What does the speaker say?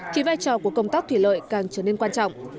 thì vai trò của công tác thủy lợi càng trở nên quan trọng